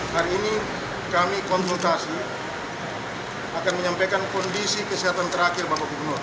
hari ini kami konsultasi akan menyampaikan kondisi kesehatan terakhir bapak gubernur